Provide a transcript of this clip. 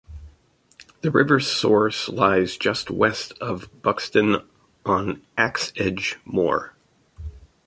The river's source lies just west of Buxton, on Axe Edge Moor.